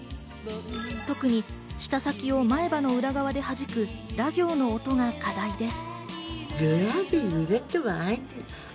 特に舌先を前歯の裏側ではじく、ら行の音が課題です。